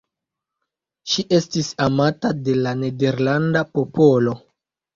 Ŝi estis amata de la nederlanda popolo.